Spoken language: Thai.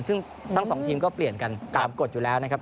ซึ่งทั้งสองทีมก็เปลี่ยนกันตามกฎอยู่แล้วนะครับ